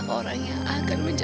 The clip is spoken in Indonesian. nih ah ya kan pun